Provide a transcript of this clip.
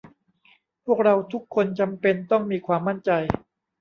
พวกเราทุกคนจำเป็นต้องมีความมั่นใจ